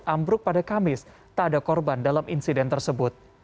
ambruk pada kamis tak ada korban dalam insiden tersebut